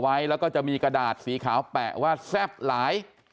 ไว้แล้วก็จะมีกระดาษสีขาวแปะว่าแซ่บหลาย